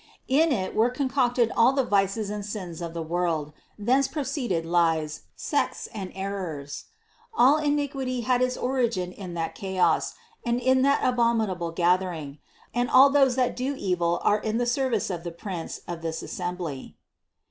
In it were concocted all the vices and sins of the world, thence proceeded lies, sects and errors ; all iniquity had its origin in that chaos and in that abominable gathering, and all those that do evil are in the service of the prince of this assembly.